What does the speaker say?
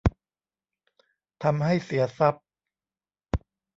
ทำให้เสียทรัพย์